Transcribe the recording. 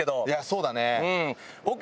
そうだね。